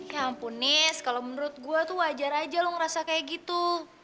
ya ampun nis kalo menurut gue tuh wajar aja lo ngerasa kayak gitu